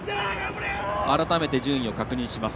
改めて順位を確認します。